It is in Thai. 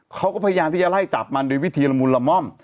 เขาก็พยายามที่จะไล่จับมันโดยวิธีละมุนละม่อม